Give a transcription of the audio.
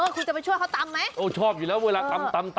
คุณชอบอยู่แล้วเวลาตำ